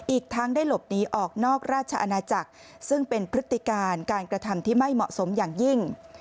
อีกทั้งได้หลบหนีออกนอกราชอาณาจักรซึ่งเป็นพฤติการการกระทำที่ไม่เหมาะสมอย่างยิ่ง